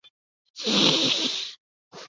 北京大学医学部教授。